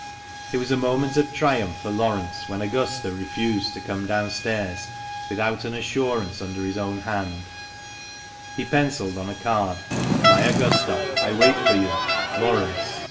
It was a moment ot triumph for Laurence when Augusta refused to come down stairs without an assurance under his own 380 THE MANCHESTER MAN. hand. He pencilled on a card, " My Augusta, I wait for you, — Laurence."